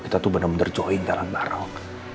kita tuh bener bener join keren bareng